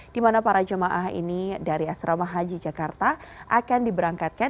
di mana para jemaah ini dari asrama haji jakarta akan diberangkatkan